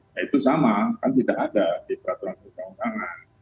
nah itu sama kan tidak ada di peraturan peraturan